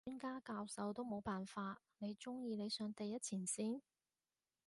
專家教授都冇辦法，你中意你上第一前線？